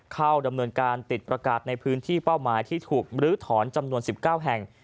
เข้าดำเนินการติดประกาศในพื้นที่เป้าหมายที่ถูกลื้อถอนจำนวน๑๙แห่ง